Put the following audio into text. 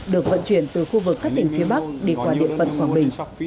được vận chuyển từ khu vực các tỉnh phía bắc đi qua địa phận quảng bình